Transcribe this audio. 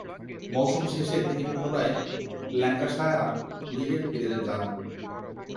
মৌসুম শেষে তিনি পুনরায় ল্যাঙ্কাশায়ার লীগে ফিরে যান।